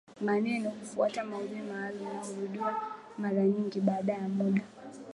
Maneno hufuata maudhui maalumu na hurudiwa mara nyingi baada ya muda